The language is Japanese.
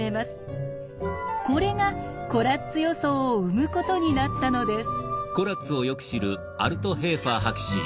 これがコラッツ予想を生むことになったのです。